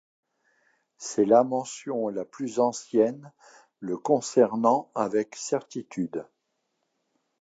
C'est la mention la plus ancienne le concernant avec certitude.